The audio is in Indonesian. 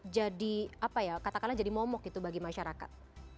jadi apa ya katakanlah jadi momok gitu bagi masyarakat